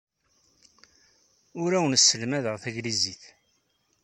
Ur awen-sselmadeɣ tanglizit.